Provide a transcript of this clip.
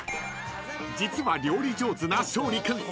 ［実は料理上手な勝利君。